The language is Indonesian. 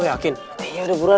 ah ini kan gue